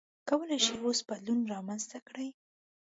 کولای شئ اوس بدلون رامنځته کړئ.